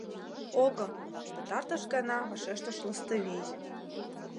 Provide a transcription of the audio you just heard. — Огым! — пытартыш гана вашештыш Лыстывий.